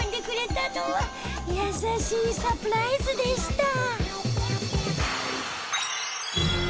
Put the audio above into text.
優しいサプライズでした。